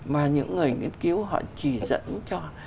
mà những người nghiên cứu họ chỉ dẫn cho